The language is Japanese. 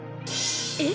えっ？